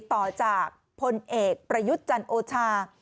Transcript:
ต่อจากพลเอกประยุทธ์จันโอชา